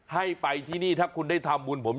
ให้ไปที่นี่ถ้าคุณได้ทำบุญผม